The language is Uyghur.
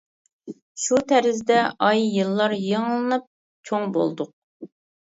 شۇ تەرزدە ئاي، يىللار يېڭىلىنىپ، چوڭ بولدۇق.